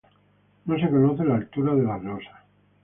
No se conoce la altura de las losas.